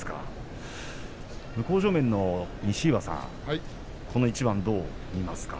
向正面の西岩さんはどう見ますか？